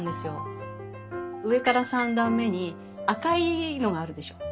上から３段目に赤いのがあるでしょ。